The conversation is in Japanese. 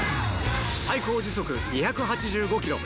最高時速２８５キロ。